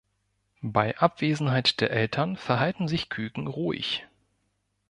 Bei Abwesenheit der Eltern verhalten sich Küken ruhig.